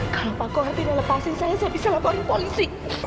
kalau pak kauh tidak lepasin saya saya bisa laporan polisi